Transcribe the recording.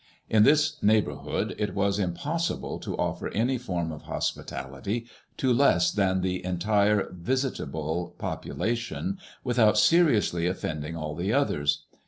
In this neighbourhood it was impossible to offer any form of hospitality to less than the en tire visitable population without seriously offending all the others.